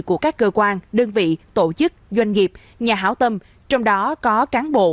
của các cơ quan đơn vị tổ chức doanh nghiệp nhà hảo tâm trong đó có cán bộ